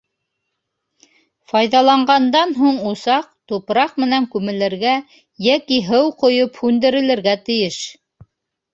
Файҙаланғандан һуң усаҡ тупраҡ менән күмелергә йәки һыу ҡойоп һүндерелергә тейеш;